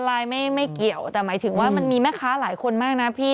ไลน์ไม่เกี่ยวแต่หมายถึงว่ามันมีแม่ค้าหลายคนมากนะพี่